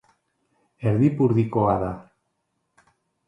Erdipurdikoa da.